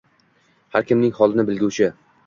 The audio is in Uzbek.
Har kimning holini bilguvchi